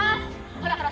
ほらほら